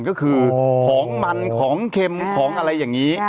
ก็คือของมันของเค็มของอะไรอย่างนี้